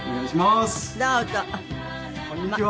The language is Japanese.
こんにちは。